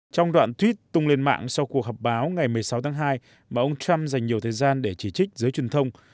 trong đoạn clip tung lên mạng sau cuộc họp báo ngày một mươi sáu tháng hai mà ông trump dành nhiều thời gian để chỉ trích giới truyền thông